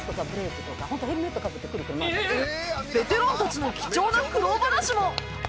ベテランたちの貴重な苦労話も